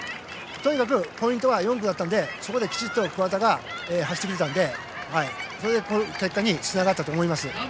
とにかくポイントは４区だったのでそこで、きちっと桑田が走ってくれたのでそれで、この結果につながったと思います。